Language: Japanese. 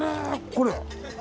これ。